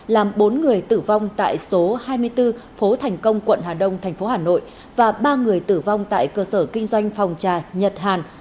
làm bốn người tử vong tại số hai mươi bốn phố thành công quận hà đông thành phố hà nội và ba người tử vong tại cơ sở kinh doanh phòng trà nhật hàn